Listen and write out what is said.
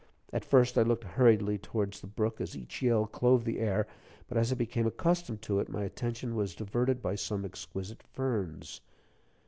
At first I looked hurriedly toward the brook as each yell clove the air; but, as I became accustomed to it, my attention was diverted by some exquisite ferns.